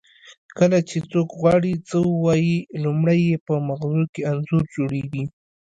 کله چې څوک غواړي څه ووایي لومړی یې په مغزو کې انځور جوړیږي